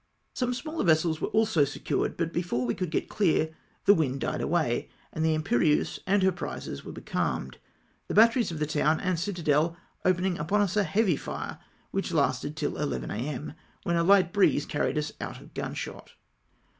Some smaller vessels were also secured, but before we could get clear the wind died away ; and the Ini perieuse and her prizes were becalmed,— the batteries of the town and citadel opening upon us a heavy fire, which lasted till 11 a.m., when a hglit breeze carried us out of gun shot.